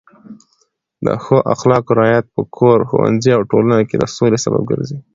د ښو اخلاقو رعایت په کور، ښوونځي او ټولنه کې د سولې سبب ګرځي.